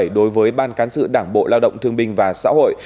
đối với ban cán sự đảng bộ lao động thương binh và xã hội